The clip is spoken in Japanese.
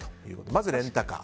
まずはレンタカー。